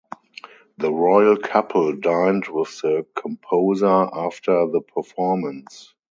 The royal couple dined with the composer after the performance.